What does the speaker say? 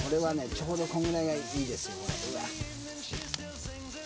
ちょうどこんぐらいがいいですよ。